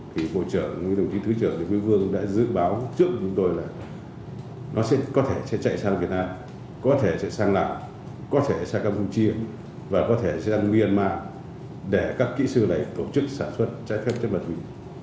thì bộ trưởng đồng chí thứ trưởng quý vương đã dự báo trước chúng tôi là nó có thể sẽ chạy sang việt nam có thể sẽ sang lạc có thể sẽ sang campuchia và có thể sẽ sang myanmar để các kỹ sư này tổ chức sản xuất trái phép chất ma túy